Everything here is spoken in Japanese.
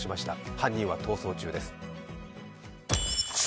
犯人は逃走中です。